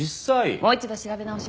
もう一度調べ直します。